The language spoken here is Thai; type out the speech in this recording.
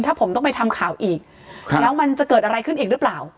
ถ้าผมต้องไปทำข่าวอีกแล้วมันจะเกิดอะไรขึ้นอีกหรือเปล่า